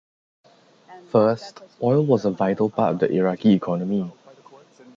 First, oil was a vital part of the Iraqi economy.